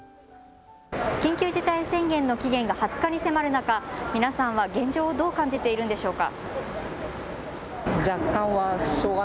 緊急事態宣言の期限が２０日に迫る中、皆さんは現状をどう感じているんでしょうか。